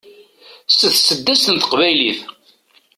s tseddast n teqbaylit